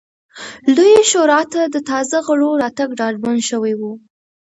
لویې شورا ته د تازه غړو راتګ ډاډمن شوی و.